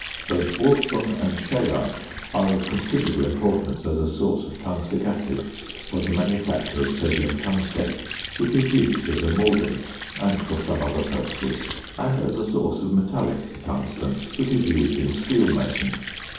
Both wolfram and scheelite are of considerable importance as a source of tungstic acid for the manufacture of sodium tungstate, which is used as a mordant and for some other purposes, and as a source of metallic tungsten, which is used in steel making.